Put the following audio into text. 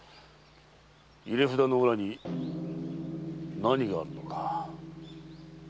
入札の裏に何があるのか。